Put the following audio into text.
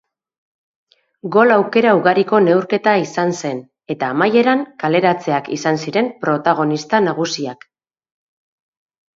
Gol aukera ugariko neurketa izan zen eta amaieran kaleratzeak izan ziren protagonista nagusiak.